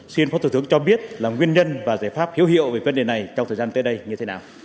xin phó thủ tướng cho biết là nguyên nhân và giải pháp hiếu hiệu về vấn đề này trong thời gian tới đây như thế nào